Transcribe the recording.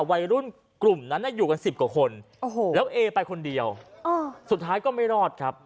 วัยรุ่นกลุ่มนั้นอยู่กันสิบกว่าคนโอ้โหแล้วเอไปคนเดียวสุดท้ายก็ไม่รอดครับ